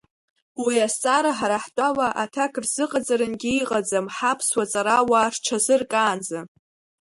Уи азҵаара ҳара ҳтәала, аҭак рзыҟаҵарангьы иҟаӡам, ҳаԥсуа ҵарауаа рҽазыркаанӡа…